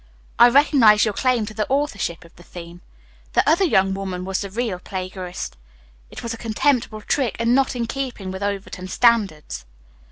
"I recognize your claim to the authorship of the theme. The other young woman was the real plagiarist. It was a contemptible trick and not in keeping with Overton standards."